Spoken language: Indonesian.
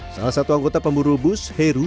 salah satu anggota pemburu bus heru